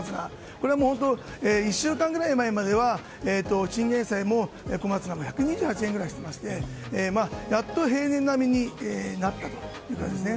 これは本当１週間ぐらい前まではチンゲン菜も小松菜も１２８円くらいしてましてやっと平年並みになったという感じですね。